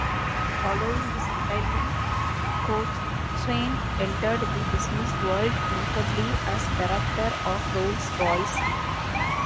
Following his retirement, Cochrane entered the business world notably as director of Rolls-Royce.